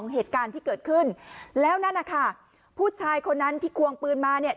เหตุการณ์ที่เกิดขึ้นแล้วนั่นนะคะผู้ชายคนนั้นที่ควงปืนมาเนี่ย